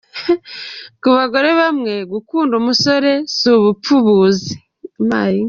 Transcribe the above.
Ku bagore bamwe, gukunda umusore si ubupfubuzi.